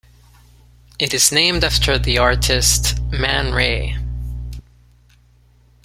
It is named after the artist Man Ray.